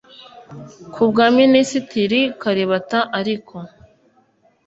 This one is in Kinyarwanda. Kubwa Minisitiri Kalibata ariko